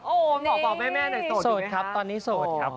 พอบไปแม่โดยโสดหรือยังคะโสดครับตอนนี้โสดครับ